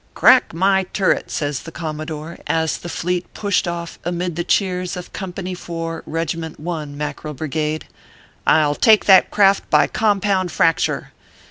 " Crack my turret !" says the commodore, as the Fleet pushed off amid the cheers of Company 4, Kegiment 1, Mackerel Brigade ;" I ll take that craft by compound fracture.